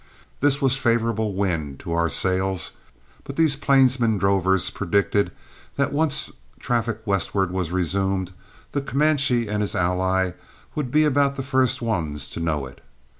This was favorable wind to our sail, but these plainsmen drovers predicted that, once traffic westward was resumed, the Comanche and his ally would be about the first ones to know it.